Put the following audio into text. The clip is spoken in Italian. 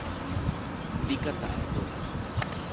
Di Cataldo